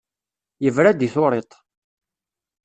Yebra-d i turiḍt.